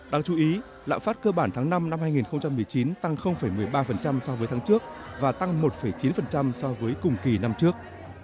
đáng chú ý lãng phát cơ bản tháng năm năm hai nghìn một mươi chín tăng một mươi ba so với tháng trước và tăng một chín so với cùng kỳ năm trước